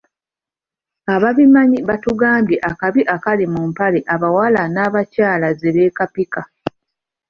Ababimanyi batugambye akabi akali mu mpale abawala era n'abakyala zebeekapika.